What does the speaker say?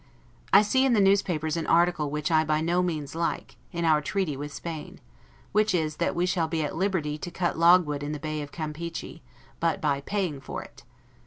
I see in the newspapers an article which I by no means like, in our treaty with Spain; which is, that we shall be at liberty to cut logwood in the Bay of Campeachy, BUT BY PAYING FOR IT.